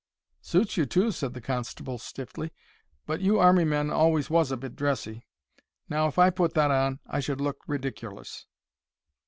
"Suits you, too," said the constable, stiffly. "But you Army men always was a bit dressy. Now if I put that on I should look ridikerlous."